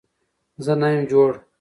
زه نه يم جوړ